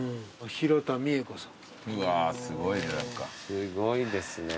すごいですね。